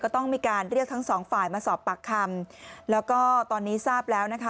ต้องมีการเรียกทั้งสองฝ่ายมาสอบปากคำแล้วก็ตอนนี้ทราบแล้วนะคะ